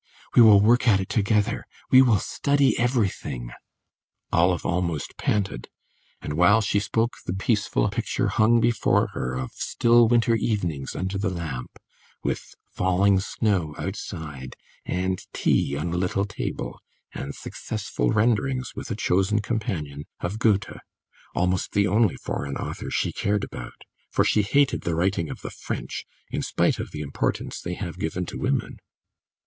"We will work at it together we will study everything." Olive almost panted; and while she spoke the peaceful picture hung before her of still winter evenings under the lamp, with falling snow outside, and tea on a little table, and successful renderings, with a chosen companion, of Goethe, almost the only foreign author she cared about; for she hated the writing of the French, in spite of the importance they have given to women.